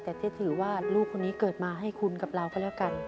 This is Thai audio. แต่ที่ถือว่าลูกคนนี้เกิดมาให้คุณกับเราก็แล้วกัน